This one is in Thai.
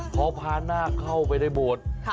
พอพานาคเข้าไปในโบสถ์